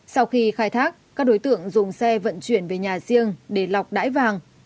sau khi khai thác các đối tượng dùng xe vận chuyển về nhà riêng để lọc đãi vàng